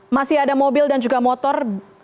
masih ada mobil dan juga motor